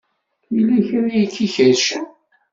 Yella kra ay k-ikerrcen.